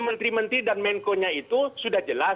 menteri menteri dan menkonya itu